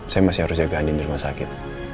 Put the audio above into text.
saya masih harus jaga andin di rumah sakit